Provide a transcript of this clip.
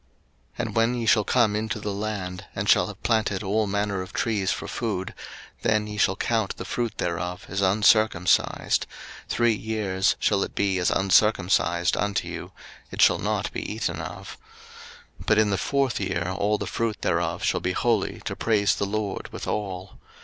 03:019:023 And when ye shall come into the land, and shall have planted all manner of trees for food, then ye shall count the fruit thereof as uncircumcised: three years shall it be as uncircumcised unto you: it shall not be eaten of. 03:019:024 But in the fourth year all the fruit thereof shall be holy to praise the LORD withal.